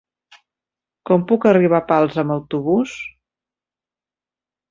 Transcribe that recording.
Com puc arribar a Pals amb autobús?